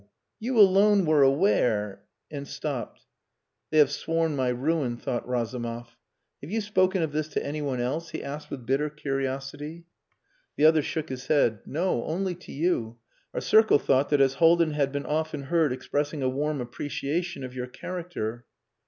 You alone were aware,..." and stopped. "They have sworn my ruin," thought Razumov. "Have you spoken of this to anyone else?" he asked with bitter curiosity. The other shook his head. "No, only to you. Our circle thought that as Haldin had been often heard expressing a warm appreciation of your character...."